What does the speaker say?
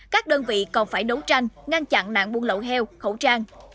các đơn vị còn phải đấu tranh ngăn chặn nạn buôn lậu heo khẩu trang